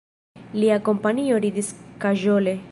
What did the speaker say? Lia kompanio ridis kaĵole.